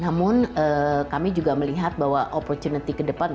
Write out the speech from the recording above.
namun kami juga melihat bahwa opportunity ke depan untuk consumer products